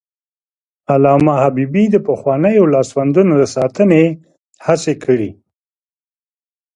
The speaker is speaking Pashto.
علامه حبيبي د پخوانیو لاسوندونو د ساتنې هڅې کړي.